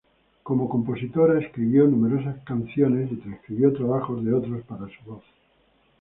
Como compositora, escribió numerosas canciones y transcribió trabajos de otros para su voz.